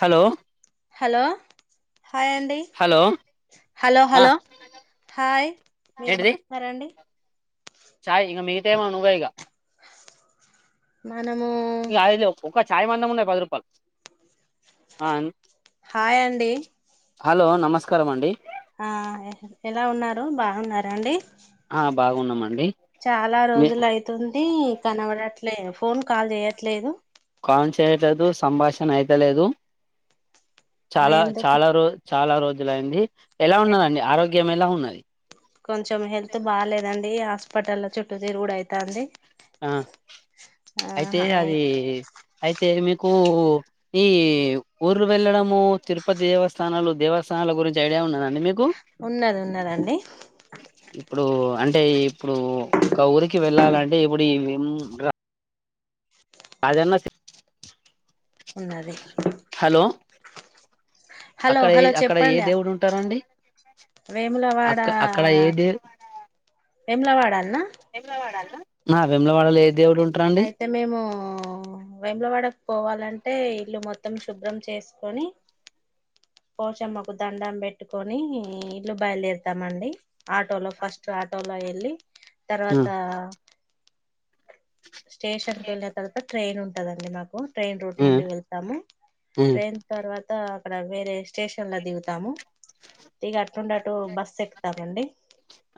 Hollow. Hello hi అండి. Hello ఆ hello hello hi. ! మీరు ఏంటిది బాగున్నారా అండి. !? చాయ్ ఇగా మిగితా ఏమో నువ్వే ఇగ. మనమూ. ఇక అది ఒక చాయ్ మందముండే పది రూపాల్. హాయ్ అండి. హాలో నమస్కారమండి. ఆ ఎలా ఉన్నారు? బాగున్నారా అండి. !? ఆ బాగున్నామండి. చాలా మీ రోజులైతుంది కనబడట్లేదు ఫోన్ కాల్ జేయట్లేదు.? అన్ చేయట్లేదు సంభాషణ అయితలేదు. ఆ చాలా, ఎందుకు చాలా రో, చాలా రోజులైంది. ఎలా ఉన్నరండి? ఆరోగ్యం ఎలా ఉన్నది.? కొంచెం హెల్త్ బాలేదండి, హాస్పిటల్లా చుట్టూ తిరుగుడైతాంది. ఆ, అయితే అది అయితే మీకు. ఒ ఈ ఊర్లు వెళ్ళడము తిరుపతి దేవస్థానాలు దేవస్థానాల గురించి ఐడియా ఉన్నదా అండి మీ ఉన్నది ఉన్నది అండి ఇప్పుడు అంటే ఇప్పుడు ఒక ఊరికి వెళ్ళాలంటే ఇప్పుడు ఈ ఉమ్ రా రాజన్నా సి ఉన్నది హలో అక్కడ ఏ హలో అక్కడ ఏ చెప్పండి దేవుడు ఉంటరండి అక్క అక్కడ ఏదే వేమలవాడల నా అ ఆ వేములవాడ లేద్ అయితే మేము వేములవాడకు పోవాలం అంటే ఇల్లు మొత్తం శుభ్రం చేసుకొని పోషమ్మకు దండం పెట్టుకొని ఇల్లు బయలుదేరుతామండి ఆటోలా ఫస్ట్ ఆటోలా ఎల్లి ఆ తర్వాత స్టేషన్ కి వెళ్ళిన తర్వాత ట్రైన్ ఉంటదండి మాకు ట్రైన్ రూట్ ఆ నుండి ఆ వెళ్తాము ట్రైన్ తర్వాత త అక్కడ వేరే స్టేషన్ ల దిగుతాము దిగ అటుండే అట్టు బస్సు ఎక్కుతామండి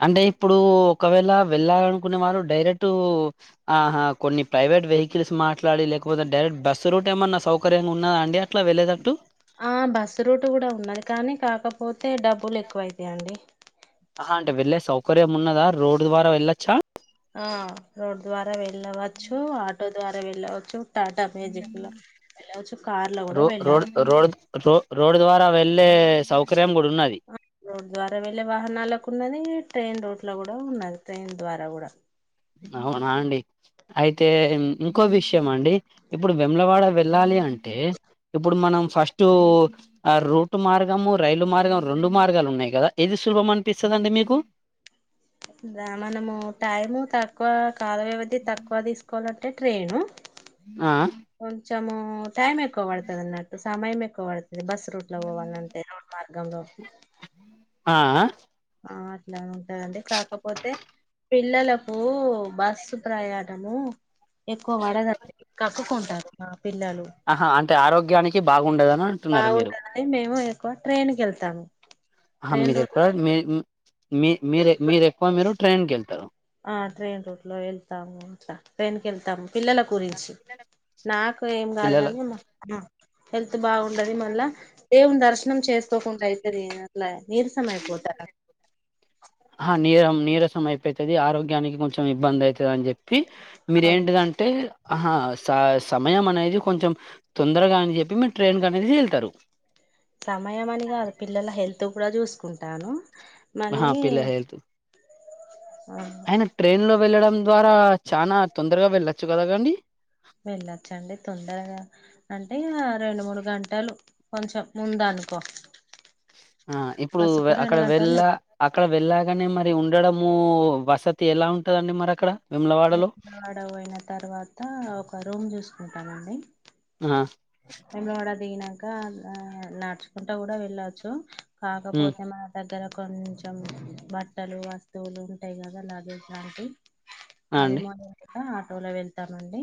అంటే ఇప్పుడు ఒకవేళ వెళ్ళాలనుకునే వారు డైరెక్టు ఆహ కొన్ని ప్రై ప్రైవేట్ వెహికల్స్ మాట్లాడి లేకపోతే డైరెక్ట్ బస్సు రూట్ ఏమన్నా సౌకర్యంగా ఉన్నద అండీ అట్ల వెలేటట్టు ఆ బస్సు రూట్ కూడా ఉన్నది కానీ కాకపోతే డబ్బులు ఎక్కువవుతయండి ఆహ అంటే వెళ్లేే సౌకర్యం ఉన్నదా రోడ్ ద్వారా వెళ్లే ఆ రోడ్ ద్వారా వెళ్ళవచ్చు ఆటో ద్వారా వెళ్ళవచ్చు టాటా మ్యాజిక్ లో వెళ్ళవచ్చు కార్ ల కూడా రో రోడ్ వెళ్ళవచ్చు రోడ్ రో రోడ్ ద్వారా వెళ్లేే సౌకర్ రోడ్డు ద్వారా వెళ్ళే వాహనాలకు ఉన్నది ఈ ట్రైన్ రూట్ ల కూడా ఉన్నది ట్రైన్ ద్వారా కూడా అవునా అండి అయితే ఇంకో విషయం అండి ఇప్పుడు వేములవాడ వెళ్ళాలి అంటే ఇప్పుడు మనం ఫస్ట్ ఆ రూట్ మార్గము రైలు మార్గం రెండు మార్గాలు ఉన్నాయి కదా ఇది సులభం అనిపిస్తదండి మీకు అండీ దా మనము టైము తక్కువ కాల వ్యవధి తక్కువ తీసుకోవాలంటే ట్రైను ఆ చము టైమ్ ఎక్కువబడతదన్నట్టు సమయం ఎక్కువబడ్ అది బస్ రూట్ లో పోవాలంటే రోడ్ మార్గంలో ఆ ఆ ఆ అట్లా ఉంటదండి కాకపోతే పిల్లలకు బస్సు ప్రయాణము ఎక్కువ వడదండి కక్కుకుంటరు నా ఆహా అంటే ఆరోగ్యానికి బాగుండదనా బాగుండదని మేము ఎక్కువ ట్రైన్ కెళ్తాము హా మీరెక్కువ మీ మీరే మీరు ఎక్కువ మీరు ట్రైన్కి వెళ్తారు ఆ ట్రైన్ రూట్ లో వెళ్తాము అట్ల ట్రైన్కి వెళ్తాము పిల్లల గురించి నాకు ఏం కాదు పిల్లల కాని మ మ హెల్త్ బాగు ఉండది మళ్ల ఎం దర్శనం చేసుకోకుండా అయితది అట్లా నీరసం అయిపోతారు అహా నీరసం అయిపోతది ఆరోగ్యానికి కొంచెం ఇబ్బంది ఐతది అని చెప్పి మీర అవును, ఏంటిదంటే ఆహా సా సమయం అనేది కొంచెం తొందరగా అని చెప్పి మీరు ట్రైన్ కనేసి ఎళ్తారు సమయం అని కాదు పిల్లల హెల్త్ కూడా చూసుకుంటాను హ మళ్ళీ పిల్ల హెల్త్ ఆ ఆయిన ట్రైన్ లో వెళ్ళడం ద్వారా చానా తొందరగా వెళ్ళచ్చు కదా గాండి వెళ్ళొచ్చండి తొందరగా అంటే ఇంగ రెండు మూడు గంటలు కొంచెం ముంద అనుకో ఆ ఇప్పుడు బస్సుకు రెండు అక్కడ గంటలు వెళ్ళ అక్క అక్కడ వెళ్ళగానే మరి ఉండడము వసతి ఎలా ఉంటదండి మరి అక్కడ వేములవాడలో వెజవాడ పొయిన తర్వాత ఒక రూమ్ చూసుకుంటానండి ఆ బెజవాడ దిగినాంక నడుచుకుంటా గూడా వెళ్ళొచ్చు ఉమ్ కాకపోతే మా దగ్ ఇక్కర కొంచెం బట్టలు వస్తువులు ఉంటాయి కదా అలాగే ఇలాంటి ఆ అవి అండి మాదొరికే ఆటోలో వెళ్తామండి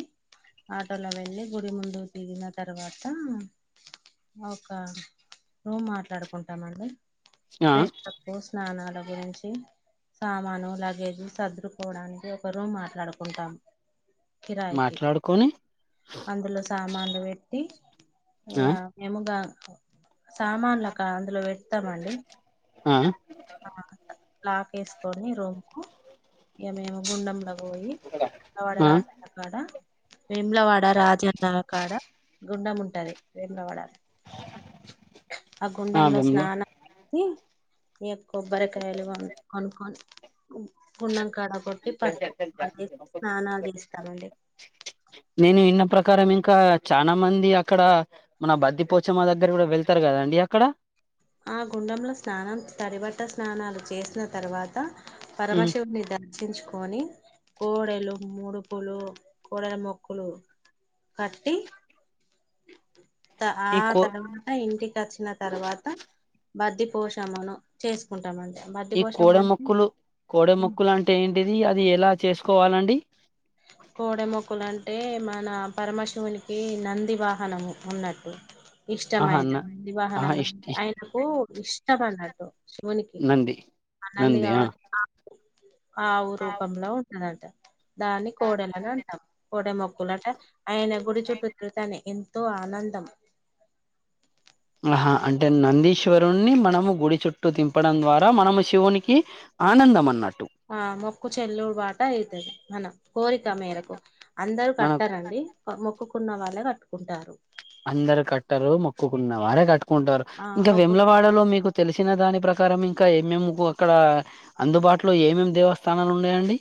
ఆటోలో వెళ్ళ గుడి ముందు దిగిన తర్వాత ఒక రూమ్ మాట్లాడుకుంటామండి ఆ [unintelligible] స్నానాల గురించి సామాను లగేజు సద్రుకోవడానికి ఒక రూమ్ మాట్లాడుకుంటాము కిరాయికి మాట్లాడుకొని అందులో సామాన్లు వెట్టి ఆ ఇంగ మేము దా సామాన్లు అక అందులో పెడతామండి ఆ ఆ లాక్ ఏసుకొని రూమ్ కు ఇగ మేము గుండంలో పోయి ఆవాడ ఆ రాసాట అక్కడ వేములవాడ రాజ అన్న కాడ గుండం ఉంటది వేములవాడ ఆ గుండంలో స్నానం చేసి ఇగ కొబ్బరికాయలు కొన్ కొనుక్కొని గున్నం కాడ కొట్టి పసుపుకొమ్మలు వేసి స్నానాలు చేస్తామండి కారం ఇంకా చాలా మంది అక్కడ మన బద్ధి పోచమ్మ దగ్గర కూడా వెళ్తారు గదా అండి అక్కడ ఆ గుండంలో స్నానం తడిబట్ట స్నానాలు చేసిన తర్వాత పరమశివున్ని ద‌న్ దర్షించుకొని కోడలు ముడుపులు కోడల మొక్కలు కట్టి త ఆ ఈ కో తర్వాత ఇంటికి వచ్చిన తర్వాత మద్ది పోషమను చేసుకుంటామండి బద్ది ఈ పోషమ కోడ మొక్కులు అంటే కోడ మొక్కులు అంటే ఏంటిది అది ఎలా చేస్ కోవాలండి కోడె మొక్కలు అంటే మన పరమశివునికి నంది వాహనము ఉన్నట్టు ఆహా ఇష్టమైన న ఆహా ఇష్ నందివాహనంగా ఇష్ ఆయనకు ఇష్టం అన్నట్టు శివునికి నంది ఆ నంది కావట్ ఆవు రూపంలో ఉన్నదంట దా కోడెలు అని అంటాం కోడ మొక్కులు అంటే ఆయన గుడి చుట్టూ తిరుగుతనే తో ఆనందం అహా అంటే నందీశ్వరున్ని మనము గుడి చుట్టూ తింపడం ద్వారా మనము శివుని కి ఆనందం అన్నట్ ఆ మొక్కు చెల్లు వాట అయితది మనం కోరిక మేరకు అందరు మన కట్టరండి మొక్కుకున్న వాళ్ళే కట్టుకుంటారు అందరు కట్టరు మొక్కుకున్న వారే కట్టుకుంటారు ఆ ఇంకా ఒక్కొ విములవాడలో మీకు తెలిసిన దాని ప్రకారం ఇంకా ఏమేమి అక్కడ అందుబాటులో ఏమేమి దేవస్థానాలు ఉన్నాయండి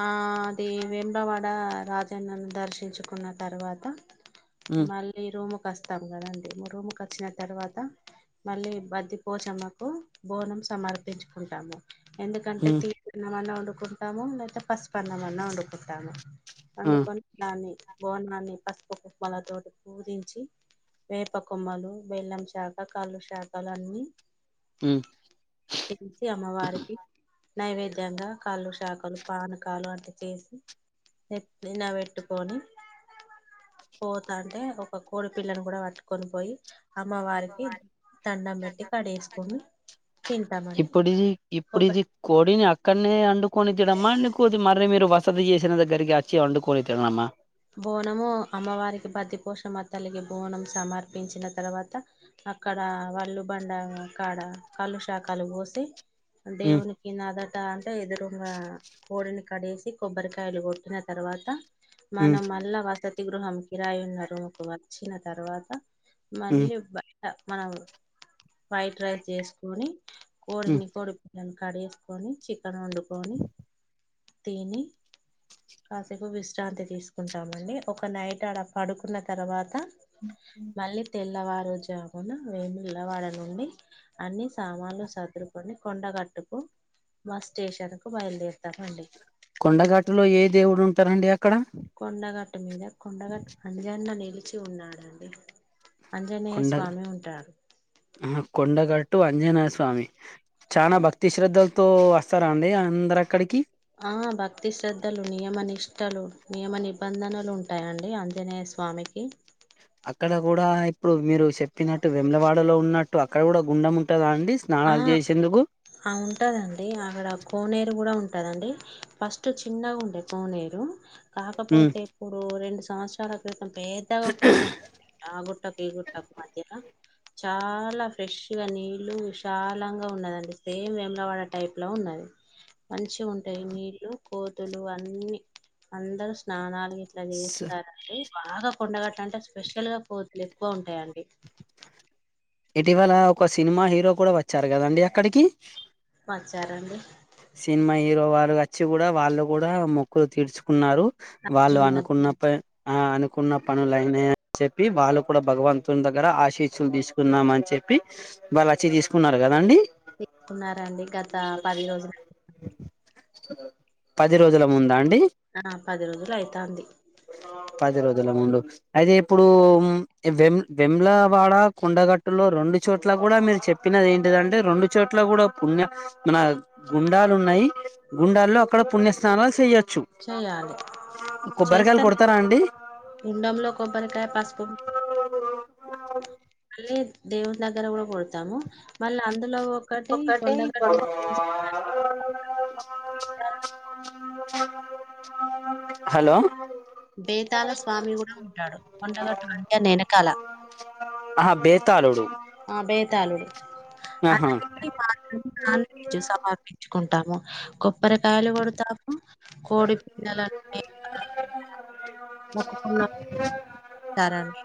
ఆ అది వేములవాడ రాజన్నను దర్శించుకున్న తర్వాత మళ్ళీ రూము వస్తాం గదా అండి ము రూముకు వచ్చిన తర్వాత మళ్ళీ బద్ది కోచమ్మకు బోనం సమర్పించుకుంటాము ఎందుకంటే తీపి అన్నమన్నా వండుకుంటాము లేదా పసుపు అన్నమ్ అన్నా వండుకుంటాము పండుకొని దాన్ని బోనాన్ని పసుపు కుంకుమలతోటి పూజించి వేప కొమ్మలు బెల్లం శాక కాళ్ళు శాకాలు అన్నీ చేసి అమ్మవారికి నైవేద్యంగా కాళ్ళు శాఖలు పానకాలు అట్లా చేసి నేతి మీదవెట్టుకొని పోతా అంటే ఒక కోడి పిల్లను కూడా పట్టుకొని పోయి అమ్మవారికి దండం పెట్టి కడి చేసుకుని ఇప్పుడిది ఇప్పుడిది కోడినా అక్కడ వండుకొని తినడమ్మా ఇంకోటి మరి మీరు వసతి చేసిన దగ్గరీకి వచ్చి వండుకొని తినడమ్మ బోనము అమ్మవారికి బద్దిపోషమ్మ తలికి బోనం సమర్పించిన తర్వాత అక్కడ వాళ్ళు బండ కాడ కళ్ళు శాకాలు పోసి ఉమ్, దేవునికి ఇనాదట అంటే ఎదురుంగ కోడిని కో కడేసి కొబ్బరికాయలు కొట్టిన తర్వాత ఉమ్, మనం మళ్ళా వస తి గృహం కిరాయి ఉన్న రూమ్ కి వచ్చిన తర్వాత మళ్ళీ ఉమ్, మనం వైట్ రైస్ చేసుకొని ఉమ్. కోడిని కోడి కడి చేసుకొని చికెన్ వండుకొని తిని కాసేకు విశ్రాంతి తీసుకుంటామండి ఒక నైట్ అడ పడుకున్న తర్వాత మళ్ళీ తెల్లవ జమున వేమిలవాడ నుండి అన్ని సామాన్లు సదురుకొని కొండగట్టుకు బస్ స్టేషన్ కు బయలుదేరుతామండి కొండగట్టులో ఏ దేవుడు ఉంటారండి అక్కడ కొండగట్టు మీద కొండగట్టు అంజన్న నిలిచి ఉన్నాడండి ఆంజనేయ కొండ స్వామి ఉంటాడు ఆ కొండగాట్ టు అంజనేయ స్వామి చాల భక్తి శ్రద్ధలతో వస్తార అండి అందరు అక్కడికి ఆ భక్తి శ్రద్ధలు నియమ నిష్టలు నియమ నిబంధనలు ఉంటాయండి ఆంజనేయ స్వామికి అక్కడ కూడా ఇప్పుడు మీరు చెప్పినట్టు విములవాడలో ఉన్నట్టు అక్కడ కూడా గుండం ఉంటుంద అండి ఆ స్నానాలు చేసేందుకు ఆ ఉంటాదండి అక్కడ కోనేరు కూడా ఉంట దండి ఫస్ట్ చినాగ ఉండే కోనేరు ఉమ్ కాకపోతే ఇప్పుడు రెండు సంవత్సరాల క్రితం పెద్దగా కోనేరు డే ఆ గుట్టకు గుట్టకు మధ్యల చాలా ఫ్రెష్ గా నీళ్ళు దాలాంగా ఉన్నదండి సేమ్ వేములవాడ టైప్ లో ఉన్నది మంచి ఉంటాయి నీళ్లు కోతులు అన్ని అందరు స్నానాలు ఇలా స్ చేస్తారండి బాగా కొండగట్ట అంటే స్పెషల్ గా కోతులు ఎక్కువ ఉంటాయండి ఇటీవల ఒక సినిమా హీరో కూడా వచ్చారు కదండి అక్కడికి వచ్చారండి సినిమా హీరో వారు వ వచ్చి కూడా వాళ్ళు కూడా మొక్కులు తీర్చుకున్నారు వాళ్ళు జుమాకు అనుకున్న ప ఆ అనుకున్న పనులు అయినాయి అని చెప్పి వాళ్ళు కూడా భగవంతుని దగ్గర ఆశీసులు తీసుకు న్నాం అని చెప్పి వాళ్ళు వచ్చి తీసుకున్నారు కదండి తీకున్నారండి గత పది రోజులు పది రోజుల ముంద అండి ఆ, పది రోజులు అయితాంది పది రోజుల ముందు అయితే ఇప్పుడు వెమ్ల వాడ కొండగట్టులో రెండు చోట్ల కూడా మీరు చెప్పినది ఏంటిదంటే రెండు చోట్ల కూడా పుణ్య మన గుండాలు ఉన్నాయి గుండాల్లో అక్కడ పుణ్యస్నానాలు చేయొచ్చు చేయాలి చూ కొబ్బరికాయలు కొడతారా అండి గుండం లో కొబ్బరికాయ పసుపు ఆ మళ్ళీ దేవుని దగ్గర కూడా కొ డతము మళ్ళీ అందులో ఒకటి కొండగట్టు అ [unintelligible] హలో బేతాల స్వామి కూడా ఉంటాడు కొండగట్టు అంజన్న వెనకాల ఆహ బేతలుడు ఆ బేతళుడు ఆహా అలా మాత్ర నాన్ వెజ్ సమర్పించుకుంటు ఉంటాం కొబ్బరకాయలు కొడుతాము కోడి పిల్లలను మొక్కు కున్న ఇస్తారండి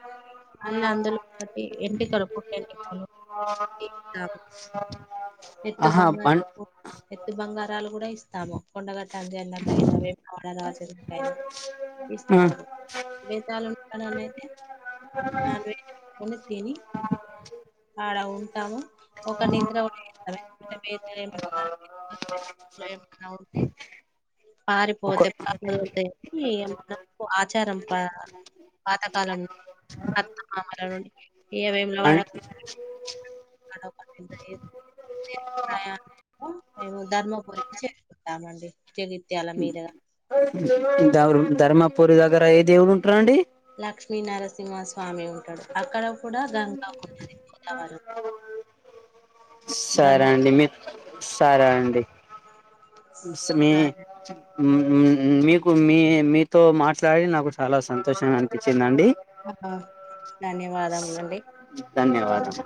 మళ్ళీ అందులో ఒకటి ఎంటకలు పుట్ట ఎంటికలు. తీస్తాము ఎత్తు ఆహా బంగారం ఎత్తు బంగారాలు కూడా ఇస్తాము కొండగట్ట అంజన్నకైనా వేములవాడ రాజన్నకైనా ఆ ఇస్తాడు బేతాలు డన్ అయితే నాన్ వెజ్ వండుకొని తిని అడ ఉంటాము ఒక నిద్ర [unintelligible] స ఏం అన్న అవుతే ఒక పారిపోతే పపోతే మనకు ఆచారం పా పాతకాలం అత్తమామాల నుండి ఇగ అం వేములవాడ అడంద తిరుగు ప్రయానము మేము ధర్మపురికి చేరుకుంటామండి. జగిత్యాల మీదుగా ధర్మపురి దగ్గర ఏ దేవులు ఉంటారండి. లక్ష్మీ నరసింహ స్వామి ఉంటాడు అక్కడ కూడా గంగా ఉంటది. సరే ధను అండి మీ సరే అండి. మీ మీకు మీ మీతో మాట్లాడి నాకు చాలా సంతోషంగా అనిపించిందిండి. ఆ ధన్యవాదము అండి. ధన్యవాదములు.